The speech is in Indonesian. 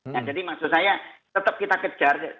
nah jadi maksud saya tetap kita kejar